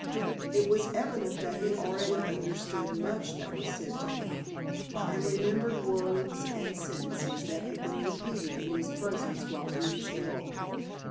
It was evident that he already understood much that was said to him, and remembered words and sentences that had been repeated in his presence while he was ill.